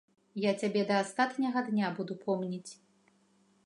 Я цябе да астатняга дня буду помніць.